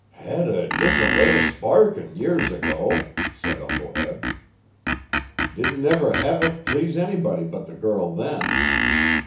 'Had a differ'nt way o' sparkin' years ago,' said Uncle Eb. 'Didn't never hev it please anybody but the girl then.